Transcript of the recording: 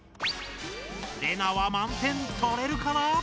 レナは満点とれるかな？